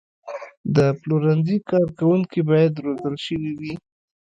د پلورنځي کارکوونکي باید روزل شوي وي.